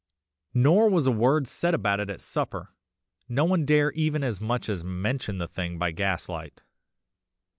Nor was a word said about it at supper, no one dare even as much as mention the thing by gaslight!